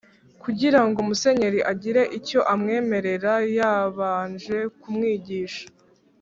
" Kugira ngo Musenyeri agire icyo amwemerera yabanje kumwigisha